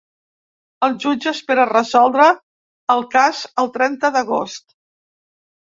El jutge espera resoldre el cas el trenta d’agost.